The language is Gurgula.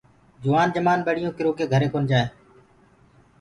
جوآن جمآن ٻڙيونٚ ڪِرو ڪي گھري ڪونآ جآئينٚ۔